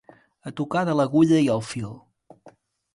A tocar de l'agulla i el fil.